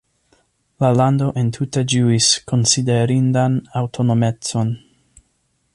La lando entute ĝuis konsiderindan aŭtonomecon.